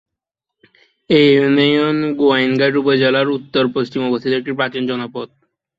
এ union Gowainghat উপজেলার উত্তর-পশ্চিমে অবস্থিত একটি প্রাচীন জনপদ।